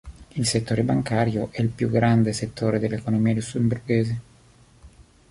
Il settore bancario è il più grande settore dell'economia lussemburghese.